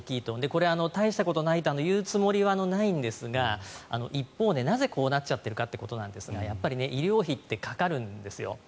これは、たいしたことはないと言うつもりはないんですが一方で、なぜこうなっているかということなんですが医療費ってかかるんですよ。